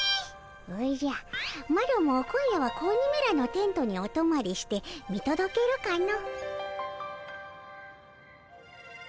おじゃマロも今夜は子鬼めらのテントにおとまりしてみとどけるかの。